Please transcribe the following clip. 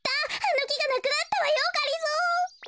あのきがなくなったわよがりぞー。